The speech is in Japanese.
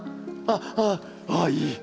ああいい？